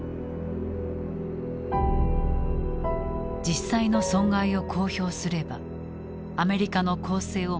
実際の損害を公表すればアメリカの攻勢を招きかねない。